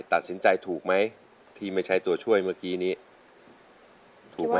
ตัดสินใจถูกไหมที่ไม่ใช้ตัวช่วยเมื่อกี้นี้ถูกไหม